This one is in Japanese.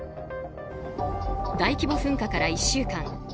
大規模噴火から１週間。